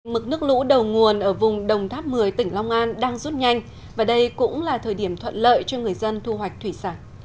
mực nước lũ đầu nguồn ở vùng đồng tháp một mươi tỉnh long an đang rút nhanh và đây cũng là thời điểm thuận lợi cho người dân thu hoạch thủy sản